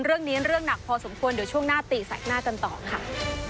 เรื่องนี้เรื่องหนักพอสมควรเดี๋ยวช่วงหน้าตีแสกหน้ากันต่อค่ะ